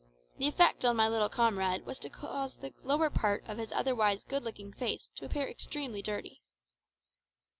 The effect on my little comrade was to cause the lower part of his otherwise good looking face to appear extremely dirty.